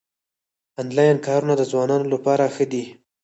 انلاین کارونه د ځوانانو لپاره ښه دي